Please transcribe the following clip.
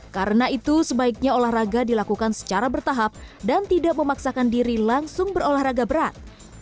karena itu sebaiknya olahraga dilakukan secara bertahap dan tidak memaksakan diri langsung berolahraga berat